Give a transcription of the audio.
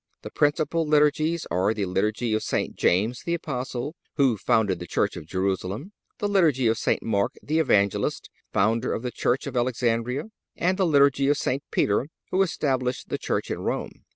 The principal Liturgies are the Liturgy of St. James the Apostle, who founded the Church of Jerusalem; the Liturgy of St. Mark the Evangelist, founder of the Church of Alexandria, and the Liturgy of St. Peter, who established the Church in Rome.